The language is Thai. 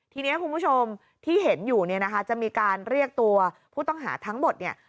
ทีนี้คุณผู้ชมที่เห็นอยู่เนี่ยนะคะจะมีการเรียกตัวผู้ต้องหาทั้งหมดเนี่ย